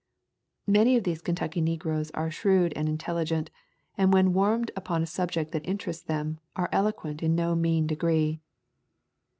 Many of these Kentucky negroes are shrewd and intelligent, and when warmed upon a subject that interests them, are eloquent in no mean degree.